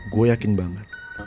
gue yakin banget